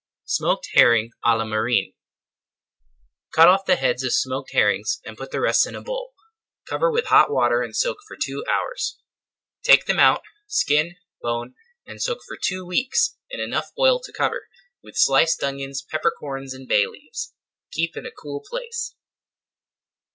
SMOKED HERRING À LA MARINE Cut off the heads of smoked herrings and put the rest in a bowl. Cover with hot water and soak for two hours. Take them out, skin, bone, and soak for two weeks in enough oil to cover, with sliced onions, pepper corns, and bay leaves. Keep in a cool place.